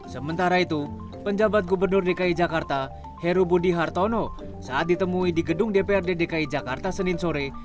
sementara itu penjabat gubernur dki jakarta heru budi hartono saat ditemui di gedung dprd dki jakarta senin sore